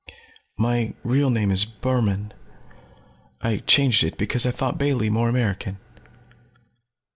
My real name is Burhmann. I changed it because I thought Bailey more American."